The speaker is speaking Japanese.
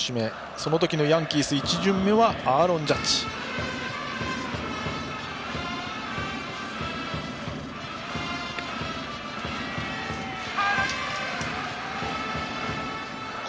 その時のヤンキース１巡目の指名はアーロン・ジャッジでした。